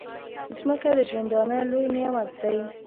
مځکه د ژوندانه لوی نعمت دی.